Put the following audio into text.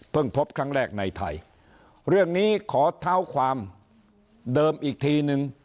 พบครั้งแรกในไทยเรื่องนี้ขอเท้าความเดิมอีกทีนึง